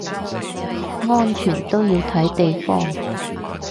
安全都要睇地方